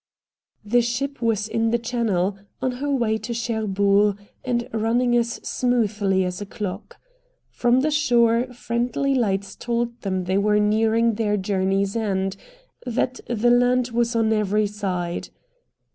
The ship was in the channel, on her way to Cherbourg, and running as smoothly as a clock. From the shore friendly lights told them they were nearing their journey's end; that the land was on every side.